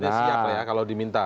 siap ya kalau diminta